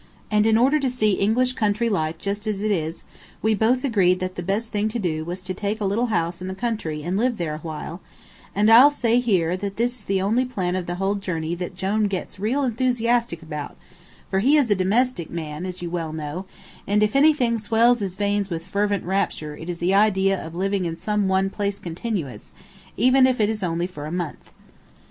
And in order to see English country life just as it is, we both agreed that the best thing to do was to take a little house in the country and live there a while; and I'll say here that this is the only plan of the whole journey that Jone gets real enthusiastic about, for he is a domestic man, as you well know, and if anything swells his veins with fervent rapture it is the idea of living in some one place continuous, even if it is only for a month.